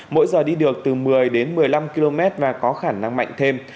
mỗi giờ đi được từ một mươi đến một mươi năm km và có khả năng mạnh thêm